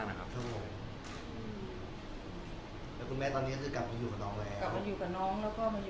ใช่ขณะที่ช่วยเขามาอยู่ค่อนข้างไม่ได้สบาย